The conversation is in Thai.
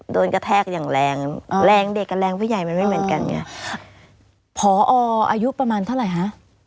กระแทกอย่างแรงแรงเด็กกับแรงผู้ใหญ่มันไม่เหมือนกันไงพออายุประมาณเท่าไหร่ฮะ